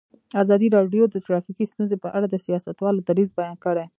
ازادي راډیو د ټرافیکي ستونزې په اړه د سیاستوالو دریځ بیان کړی.